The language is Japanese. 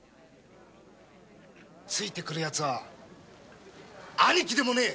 ついて来るヤツは兄貴でもねぇ！